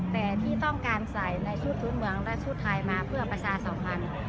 แต่ที่ต้องการใส่ในชุดพื้นเมืองและชุดไทยมาเพื่อประชาสัมพันธ์